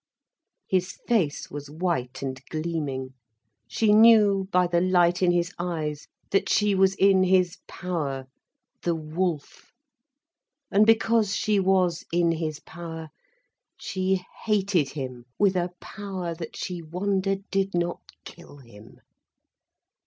His face was white and gleaming, she knew by the light in his eyes that she was in his power—the wolf. And because she was in his power, she hated him with a power that she wondered did not kill him.